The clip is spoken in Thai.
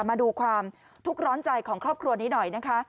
มาดูความทุกข์ร้อนใจของครอบครัวนี้หน่อยนะคะ